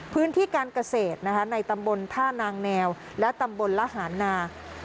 พื้นที่การเกษตรนะคะในตำบลท่านางแนวและตำบลละหารนา